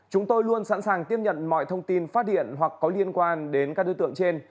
chúng tôi luôn sẵn sàng tiếp nhận mọi thông tin phát điện hoặc có liên quan đến các đối tượng trên